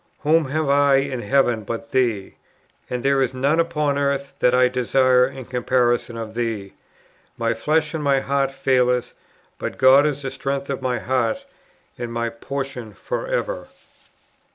Whom have I in heaven but Thee? and there is none upon earth that I desire in comparison of Thee. My flesh and my heart faileth, but God is the strength of my heart, and my portion for ever.'"